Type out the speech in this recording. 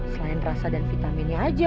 selain rasa dan vitaminnya aja